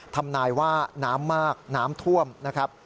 ทำนายว่าน้ำมากน้ำท่วมนะครับ